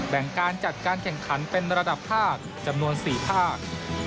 แบ่งการจัดการแข่งขันเป็นระดับภาคจำนวน๔ภาค